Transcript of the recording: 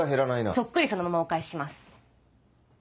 そっくりそのままお返しします。